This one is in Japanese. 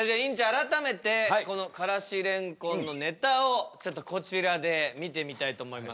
改めてこのからし蓮根のネタをちょっとこちらで見てみたいと思います。